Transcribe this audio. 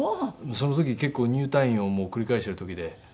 その時結構入退院を繰り返してる時で。